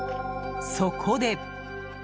そこで。